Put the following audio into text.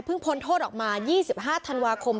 พ้นโทษออกมา๒๕ธันวาคม